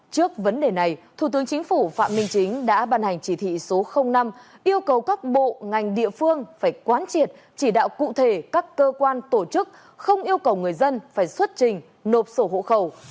trước vấn đề này thủ tướng chính phủ phạm minh chính đã bàn hành chỉ thị số năm yêu cầu các bộ ngành địa phương phải quán triệt chỉ đạo cụ thể các cơ quan tổ chức không yêu cầu người dân phải xuất trình nộp sổ hộ khẩu